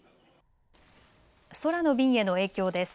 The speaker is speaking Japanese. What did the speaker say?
空の便への影響です。